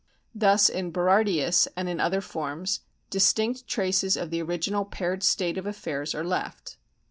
Thus in Berardius (and in other forms) distinct traces of the original paired state of affairs are left.